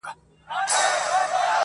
د پاچا لور وم پر طالب مینه سومه-